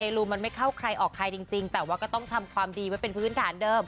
รูมันไม่เข้าใครออกใครจริงแต่ว่าก็ต้องทำความดีไว้เป็นพื้นฐานเดิม